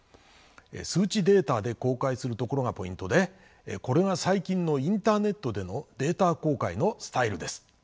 数値データで公開するところがポイントでこれが最近のインターネットでのデータ公開のスタイルです。